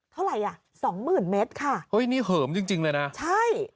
เท่าไหร่อ่ะสองหมื่นเมตรค่ะเฮ้ยนี่เหิมจริงจริงเลยนะใช่